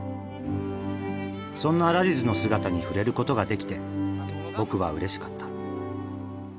そんなラジズの姿に触れることができて僕はうれしかった。